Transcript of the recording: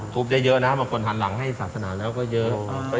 ได้เยอะนะบางคนหันหลังให้ศาสนาแล้วก็เยอะ